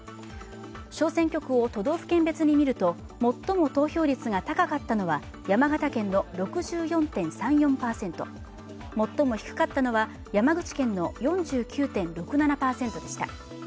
小選挙区を都道府県別で見ると最も投票率が高かったのは山形県の６４．３４％最も低かったのは、山口県の４９．６７％でした。